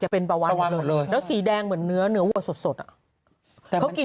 กินสเปิร์มปลาวานไปเพื่ออะไร